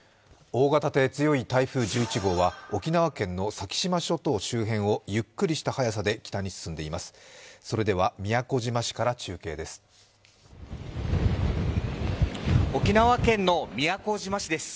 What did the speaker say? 大型で強い台風１１号は沖縄県の先島諸島周辺をゆっくりした速さで北に進んでいます。